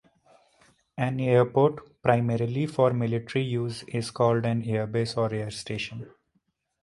An airport primarily for military use is called an airbase or air station.